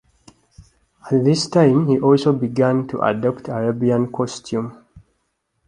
At this time he also began to adopt Arabian costume.